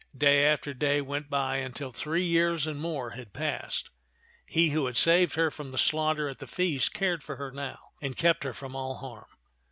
Day after day went by until three years and more had passed. He who had saved her from the slaughter at the feast cared for her now, and kept her from all harm.